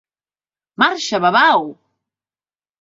Marxa, babau!